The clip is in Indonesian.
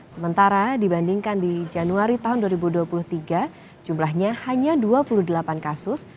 sementara dibandingkan di januari tahun dua ribu dua puluh tiga jumlahnya hanya dua puluh delapan kasus